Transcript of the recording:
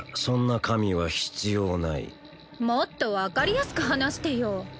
そんな神は必要ないもっと分かりやすく話してよ